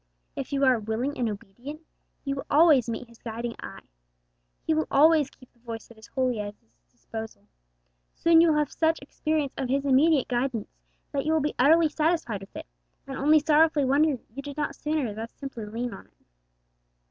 If you are 'willing and obedient,' you will always meet His guiding eye. He will always keep the voice that is wholly at His disposal. Soon you will have such experience of His immediate guidance that you will be utterly satisfied with it, and only sorrowfully wonder you did not sooner thus simply lean on it.